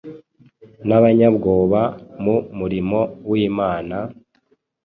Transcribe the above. n’abanyabwoba mu murimo w’Imana!